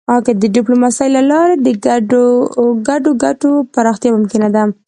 د ډيپلوماسی له لارې د ګډو ګټو پراختیا ممکنه ده.